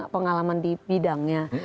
pengalaman di bidangnya